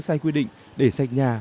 sai quy định để sạch nhà